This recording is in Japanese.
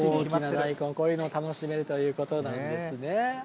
こういうのを楽しめるということなんですね。